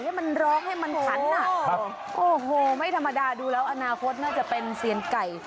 ให้มันร้องให้มันขันอ่ะโอ้โหไม่ธรรมดาดูแล้วอนาคตน่าจะเป็นเซียนไก่